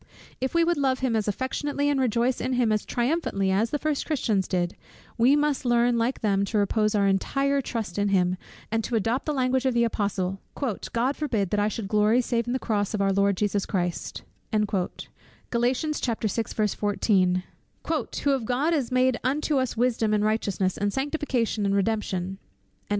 If we would love him as affectionately, and rejoice in him as triumphantly as the first Christians did; we must learn like them to repose our entire trust in him, and to adopt the language of the apostle, "God forbid that I should glory, save in the cross of our Lord Jesus Christ" "Who of God is made unto us wisdom and righteousness, and sanctification, and redemption."